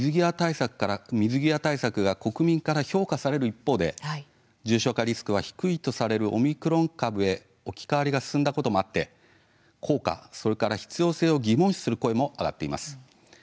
水際対策が国民から評価される一方で重症化リスクは低いとされるオミクロン株へ置き換わりが進んだこともあって効果、それから必要性を疑問視する声も上がっています。